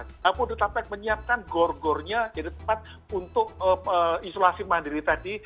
tapi kita harus menyiapkan gor gor nya jadi tempat untuk isolasi mandiri tadi